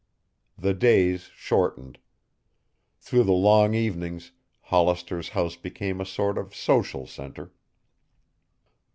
The days shortened. Through the long evenings Hollister's house became a sort of social center.